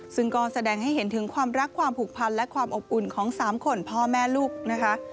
ซึ่งก็แสดงให้เห็นถึงความรักความผูกพันและความอบอุ่นของ๓คนพ่อแม่ลูกนะคะ